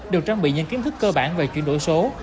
được trang bị những kiến thức cơ bản về chuyển đổi số